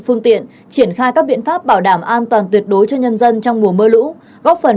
phương tiện triển khai các biện pháp bảo đảm an toàn tuyệt đối cho nhân dân trong mùa mưa lũ góp phần